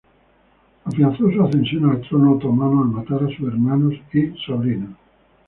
Afianzó su ascensión al trono otomano al matar a sus hermanos y sobrinos.